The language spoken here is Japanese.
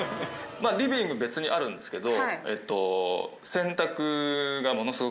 リビング別にあるんですけど。